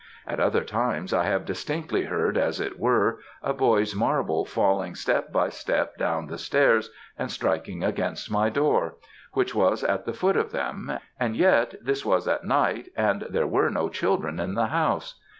At other times I have distinctly heard, as it were, a boy's marble falling step by step down the stairs and striking against my door, which was at the foot of them, and yet this was at night, and there were no children in the house.